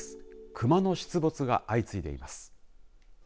熊の出没が相次いでいます。